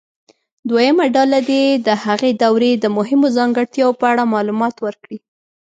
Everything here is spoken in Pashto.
دویمه ډله دې د هغې دورې د مهمو ځانګړتیاوو په اړه معلومات ورکړي.